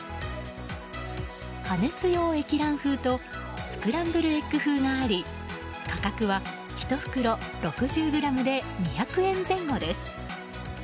加熱用液卵風とスクランブルエッグ風があり価格は１袋６０ｇで２００円前後です。